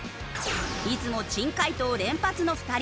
いつも珍解答連発の２人。